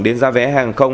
đến giá vé hàng không